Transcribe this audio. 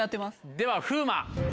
では風磨。